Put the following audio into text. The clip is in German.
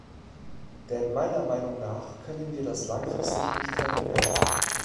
Denn meiner Meinung nach können wir das langfristig nicht verhindern.